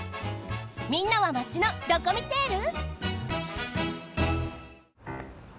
みんなはマチのドコミテール？